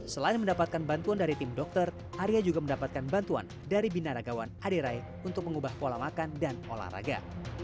selain mendapatkan bantuan dari tim dokter arya juga mendapatkan bantuan dari binaragawan aderai untuk mengubah pola makan dan olahraga